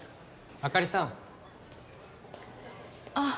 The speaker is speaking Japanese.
あかりさんあっ